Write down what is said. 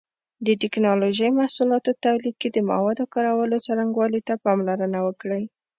د ټېکنالوجۍ محصولاتو تولید کې د موادو کارولو څرنګوالي ته پاملرنه وکړئ.